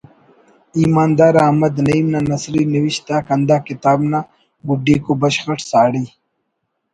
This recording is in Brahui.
ایماندار احمد نعیم نا نثری نوشت آک ہند ا کتاب نا گڈیکو بشخ اٹ ساڑی